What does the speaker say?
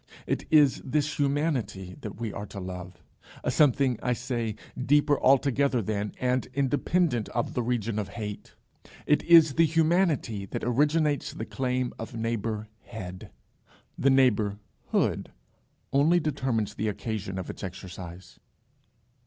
It is this humanity that we are to love a something, I say, deeper altogether than and independent of the region of hate. It is the humanity that originates the claim of neighbourhead; the neighbourhood only determines the occasion of its exercise."